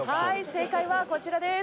正解はこちらです。